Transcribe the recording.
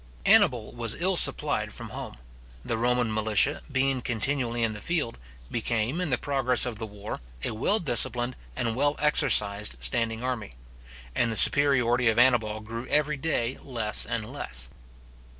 Annibal was ill supplied from home. The Roman militia, being continually in the field, became, in the progress of the war, a well disciplined and well exercised standing army; and the superiority of Annibal grew every day less and less.